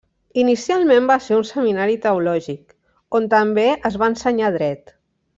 Inicialment va ser un seminari teològic, on també es va ensenyar Dret.